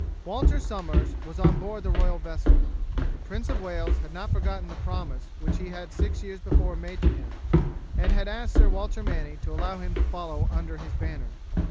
Walter Somers was on board the royal vessel. The Prince of Wales had not forgotten the promise which he had six years before made to him, and had asked Sir Walter Manny to allow him to follow under his banner.